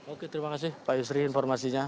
oke terima kasih pak yusri informasinya